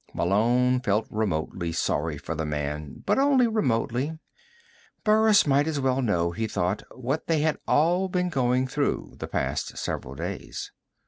Malone felt remotely sorry for the man but only remotely. Burris might as well know, he thought, what they had all been going through the past several days.